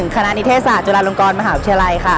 คณะหนที่เทศศาจวรรณงรมหาวิทยาลัยค่ะ